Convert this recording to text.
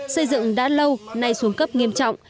xây dựng đã lâu nay xuống cấp nghiêm trọng